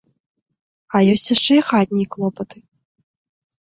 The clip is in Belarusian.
А ёсць яшчэ і хатнія клопаты.